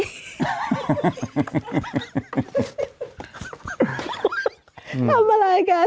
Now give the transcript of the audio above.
ทำอะไรกัน